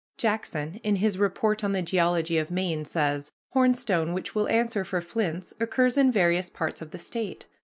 Jackson, in his "Report on the Geology of Maine," says: "Hornstone, which will answer for flints, occurs in various parts of the State.